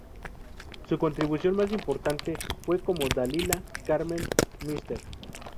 Su contribución más importante fue como Dalila, Carmen, Mrs.